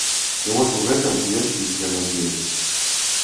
І вось у гэтым есць іскры надзеі.